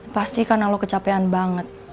pastikan lo kecapean banget